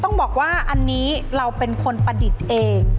ต้องบอกว่าอันนี้เราเป็นคนประดิษฐ์เอง